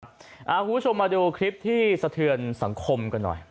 คุณผู้ชมมาดูคลิปที่สะเทือนสังคมกันหน่อย